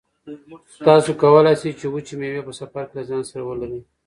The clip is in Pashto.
تاسو کولای شئ چې وچې مېوې په سفر کې له ځان سره ولرئ.